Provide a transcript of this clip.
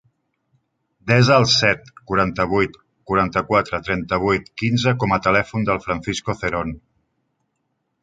Desa el set, quaranta-vuit, quaranta-quatre, trenta-vuit, quinze com a telèfon del Francisco Ceron.